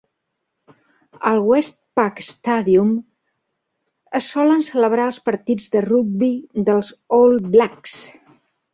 Al Westpac Stadium es solen celebrar els partits de rugbi dels All Blacks.